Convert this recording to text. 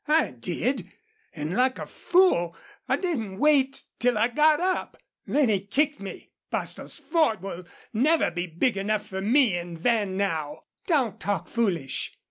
"I did, an' like a fool I didn't wait till I got up. Then he kicked me! ... Bostil's Ford will never be big enough fer me an' Van now." "Don't talk foolish.